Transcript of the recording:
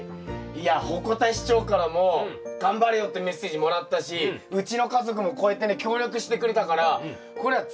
いや鉾田市長からも頑張れよってメッセージもらったしうちの家族もこうやってね協力してくれたからこれはうん。